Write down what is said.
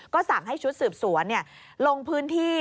ก็สั่งให้ชุดสืบสวนลงพื้นที่